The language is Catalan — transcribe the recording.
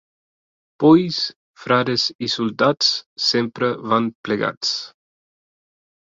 Polls, frares i soldats sempre van plegats.